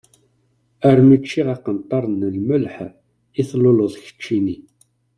Armi ččiɣ aqenṭar n lmelḥ i d-tluleḍ keččini.